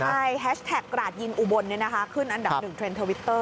ใช่แฮชแท็กกราดยิงอุบลขึ้นอันดับ๑เทรนด์ทวิตเตอร์